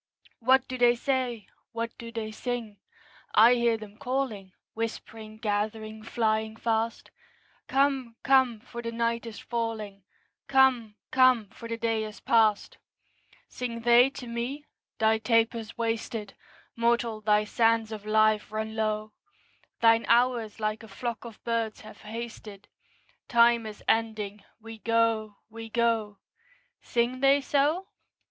What do they say? What do they sing? I hear them calling, Whispering, gathering, flying fast, 'Come, come, for the night is falling; Come, come, for the day is past!' Sing they to me? 'Thy taper's wasted; Mortal, thy sands of life run low; Thine hours like a flock of birds have hasted: Time is ending; we go, we go.' Sing they so?